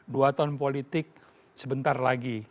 dua tahun politik sebentar lagi